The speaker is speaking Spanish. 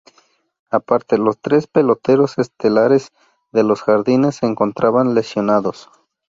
Aparte, los tres peloteros estelares de los jardines se encontraban lesionados.